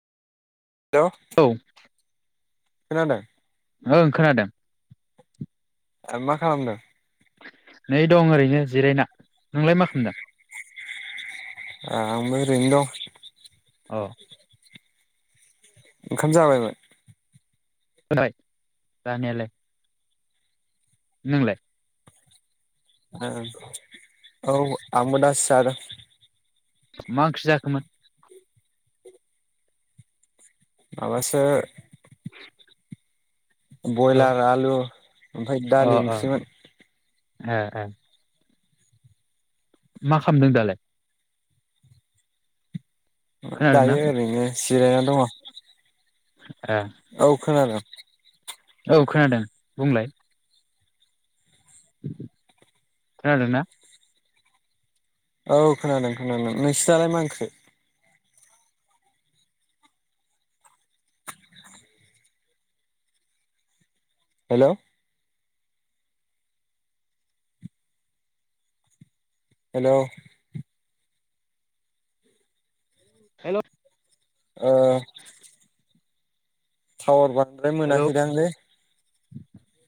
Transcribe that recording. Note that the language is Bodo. हेल औ खोनादों ओं खोनादों मा खालामदों? नै दं ओरैनो जिरायना नोंलाय मा खालामदो? आ आंबो ओरैनो दं। औ ओंखाम जाबायमोन? जाबाय जानायालाय नोंलाय? ओ ओ औ आंबो दास जादों। मा ओंख्रि जाखोमोन? माबासो अ बयलार आलु ओमफाय अ दालि अ ओंख्रिमोन। ए ए मा खामदों दालाय? खोनादोंना दायो ओरैनो जिरायनानै दङ। ए औ खानादों। औ खोनादों बुंलाय। खोनादों ना? औ खोनादों खोनादों नोंसोर नालाय मा ओंख्रि? हेल' हेल' हेल' ओ थावार बारा [unintelligible] हेल' मोनाखैदांलै